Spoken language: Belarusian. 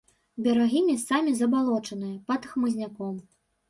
Берагі месцамі забалочаныя, пад хмызняком.